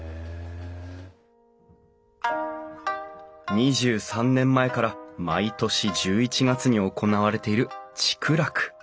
２３年前から毎年１１月に行われている竹楽。